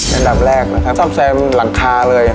อันดับแรกนะครับซ่อมแซมหลังคาเลย